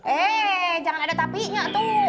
eh jangan ada tapi nya tuh